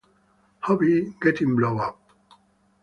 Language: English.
Hobby: Getting blown up.